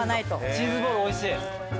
チーズボールおいしい。